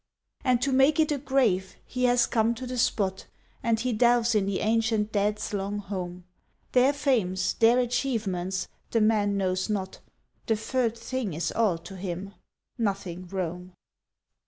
And to make it a grave he has come to the spot, And he delves in the ancient dead's long home; Their fames, their achievements, the man knows not; The furred thing is all to him—nothing Rome!